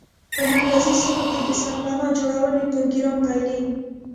په مرکزي سیمو کې د سرپناه جوړونې پروګرام پیلېږي.